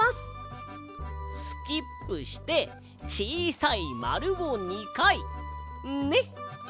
スキップしてちいさいまるを２かいね。